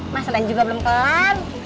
masalahnya juga belum kelar